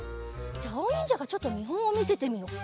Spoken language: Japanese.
じゃあおにんじゃがちょっとみほんをみせてみよう。